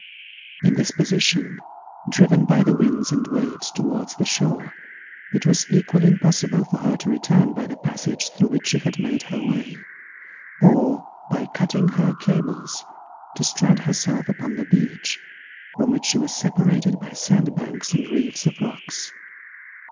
In this position, driven by the winds and waves towards the shore, it was equally impossible for her to return by the passage through which she had made her way; or, by cutting her cables, to strand herself upon the beach, from which she was separated by sandbanks and reefs of rocks.